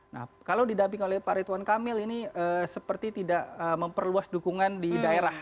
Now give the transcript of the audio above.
nah kalau didamping oleh pak rituan kamil ini seperti tidak memperluas dukungan di daerah